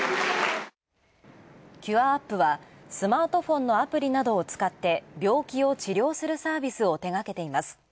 ＣｕｒｅＡｐｐはスマートフォンのアプリなどを使って病気を治療するサービスを手がけています。